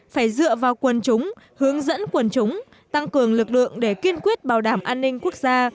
phải dựa vào quần chúng hướng dẫn quần chúng tăng cường lực lượng để kiên quyết bảo đảm an ninh quốc gia